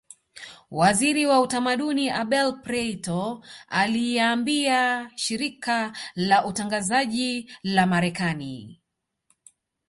Waziri wa utamaduni Abel Prieto aliiambia shirika la utangazaji la marekani